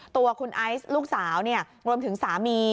ตัวคุณไอซ์ลูกสาวรวมถึงสามี